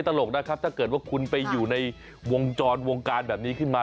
ตลกนะครับถ้าเกิดว่าคุณไปอยู่ในวงจรวงการแบบนี้ขึ้นมา